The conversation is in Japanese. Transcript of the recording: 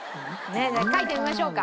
描いてみましょうか。